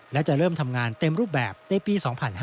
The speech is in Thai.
และจะเริ่มทำงานเต็มรูปแบบในปี๒๕๕๙